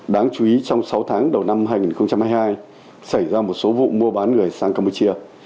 đáng chú ý trong sáu tháng đầu năm hai nghìn hai mươi hai xảy ra một số vụ mua bán người sang campuchia